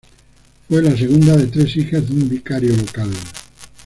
Fue la segunda de tres hijas de un vicario local.